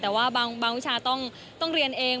แต่ว่าบางวิชาต้องเรียนเอง